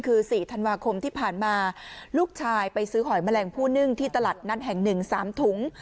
คือ๔ธันวาคมที่ผ่านมาลูกชายไปซื้อหอยแมลงผู้นึ่งที่ตลาดนัดแห่ง๑๓ถุง